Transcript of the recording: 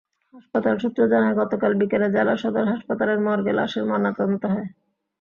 হাসপাতাল সূত্র জানায়, গতকাল বিকেলে জেলা সদর হাসপাতালের মর্গে লাশের ময়নাতদন্ত হয়।